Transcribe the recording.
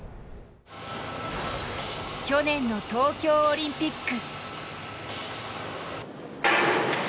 去年の東京オリンピック。